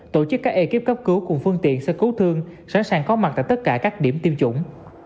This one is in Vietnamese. tổ chức các ekip cấp cứu cùng phương tiện sơ cứu thương sẵn sàng có mặt tại tất cả các điểm tiêm chủng